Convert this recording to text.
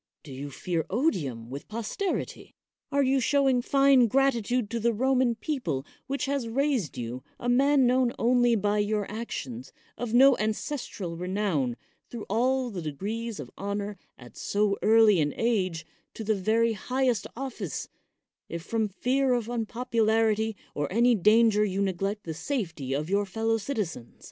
Do you fear odium with posterity? You are showing fine 109 THE WORLD'S FAMOUS ORATIONS gratitude to the Roman people which has raised you, a man known only by your own actions, of no ancestral renown, through all the degrees of honor at so early an age to the very highest oflSce, if from fear of unpopularity or of any danger you neglect the safety of your fellow citizens.